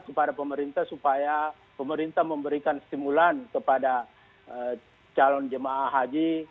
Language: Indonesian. kepada pemerintah supaya pemerintah memberikan stimulan kepada calon jemaah haji